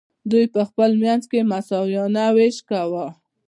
دوی په خپل منځ کې مساویانه ویش کاوه.